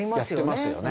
やってますよね。